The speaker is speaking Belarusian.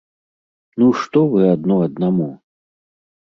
Ну, што вы адно аднаму?!